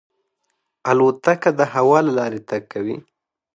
الوتکه د هوا له لارې تګ کوي.